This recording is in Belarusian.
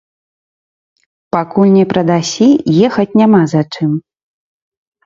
Пакуль не прадасі, ехаць няма за чым.